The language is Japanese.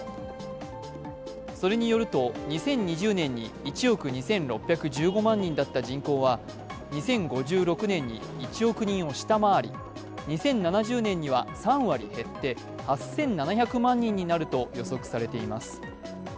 それによると、２０２０年に１億２６１５万人だった人口は２０５６年に１億人を下回り、２０７０年には３割減って８７００万人になると予測されています。